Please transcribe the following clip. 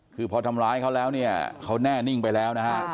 คือพอทำร้ายเขาแล้วเนี่ยเขาแน่นิ่งไปแล้วนะฮะ